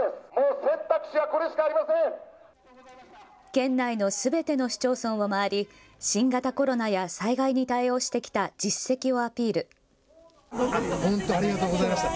県内のすべての市町村を回り新型コロナや災害に対応してきた実績をアピール。